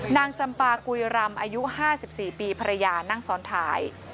นางจำปากุยรำอายุ๕๔ปีภรรยานั่งซ้อนท้าย